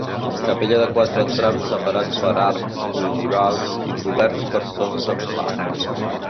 Capella de quatre trams separats per arcs ogivals i coberts per sostre pla.